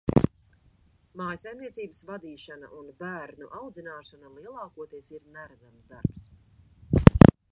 Mājsaimniecības vadīšana un bērnu audzināšana lielākoties ir neredzams darbs.